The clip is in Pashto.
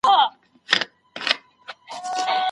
ځینې خپل تنوع ساتي.